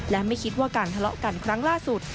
และไม่คิดว่าการทะเลาะกันครั้งล่าสุด